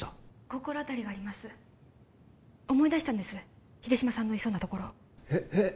心当たりがあります思い出したんです秀島さんのいそうなところえっ？